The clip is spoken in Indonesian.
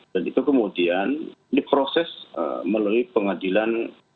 dan itu kemudian diproses melalui pengadilan